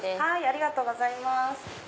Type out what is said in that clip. ありがとうございます。